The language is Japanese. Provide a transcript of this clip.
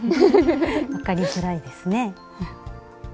分かりづらいですね。